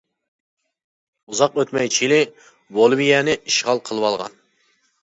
ئۇزاق ئۆتمەي چىلى بولىۋىيەنى ئىشغال قىلىۋالغان.